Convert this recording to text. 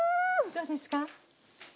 どうですか？